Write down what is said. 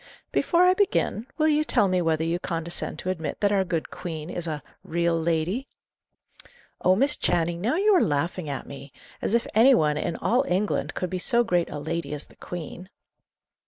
"Before I begin, will you tell me whether you condescend to admit that our good Queen is a 'real lady'?" "Oh, Miss Channing, now you are laughing at me! As if any one, in all England, could be so great a lady as the Queen."